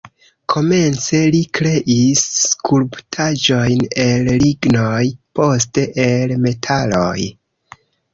Komence li kreis skulptaĵojn el lignoj, poste el metaloj.